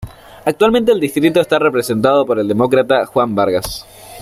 Actualmente el distrito está representado por el Demócrata Juan Vargas.